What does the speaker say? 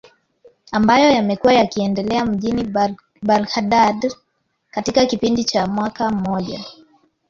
ambayo yamekuwa yakiendelea mjini Baghdad katika kipindi cha mwaka mmoja